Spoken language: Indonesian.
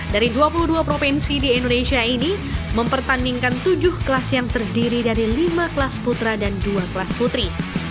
dari dua puluh dua provinsi di indonesia ini mempertandingkan tujuh kelas yang terdiri dari lima kelas putra dan dua kelas putri